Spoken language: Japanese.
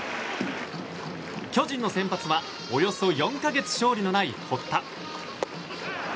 巨人の先発はおよそ４か月勝利のない堀田。